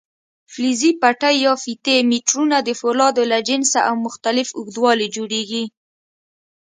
فلزي پټۍ یا فیتې میټرونه د فولادو له جنسه او مختلف اوږدوالي جوړېږي.